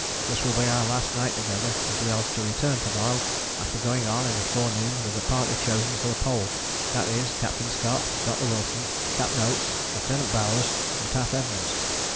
This will be our last night together, as we are to return to morrow after going on in the forenoon with the party chosen for the Pole, that is Capt. Scott, Dr. Wilson, Capt. Oates, Lieut. Bowers and Taff Evans.